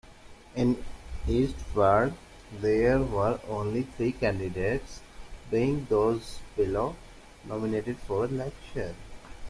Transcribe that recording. In East Ward, there were only three candidates, being those below, nominated for election.